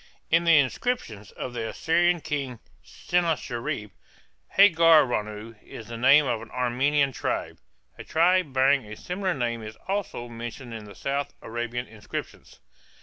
In the inscriptions of the Assyrian king Sennacherib, Hargaranu is the name of an Aramean tribe. A tribe bearing a similar name is also mentioned in the south Arabian inscriptions.